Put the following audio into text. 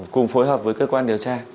cùng phối hợp với cơ quan điều tra